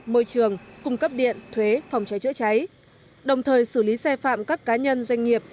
môi trường cung cấp điện thuế phòng cháy chữa cháy đồng thời xử lý xe phạm các cá nhân doanh nghiệp